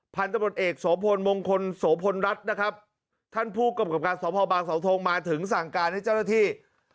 พันธบทเอกโสพลมงคลโสพลรัฐนะครับท่านผู้กำกับการสอบพอบางสาวทงมาถึงสั่งการให้เจ้าหน้าที่